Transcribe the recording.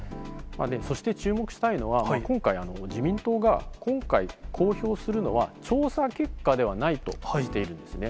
そして注目したいのは、今回、自民党が今回、公表するのは、調査結果ではないとしているんですね。